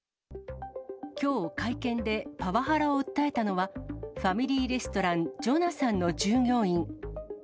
きょう、会見でパワハラを訴えたのは、ファミリーレストラン、ジョナサンの従業員。